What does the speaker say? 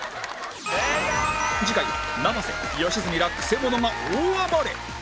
次回は生瀬良純らくせ者が大暴れ！